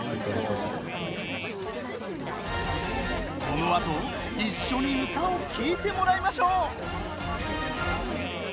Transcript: このあと、一緒に歌を聴いてもらいましょう！